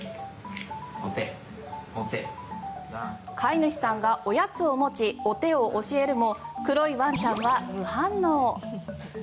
飼い主さんがおやつを持ちお手を教えるも黒いワンチャンは無反応。